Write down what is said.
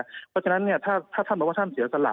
เพราะฉะนั้นถ้าท่านบอกว่าท่านเสียสละ